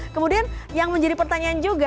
kemudian yang menjadi pertanyaan juga